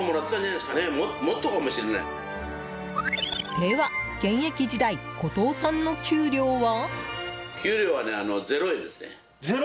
では現役時代後藤さんの給料は？